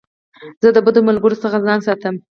زه د بدو ملګرو څخه ځان ساتم.